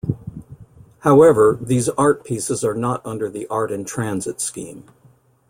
However, these art pieces are not under the Art in Transit scheme.